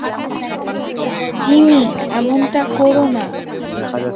Jimmy, এমনটা করো না।